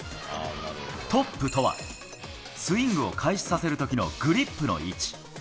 トップとは、スイングを開始させるときのグリップの位置。